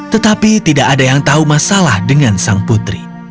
tetapi tidak ada yang tahu masalah dengan sang putri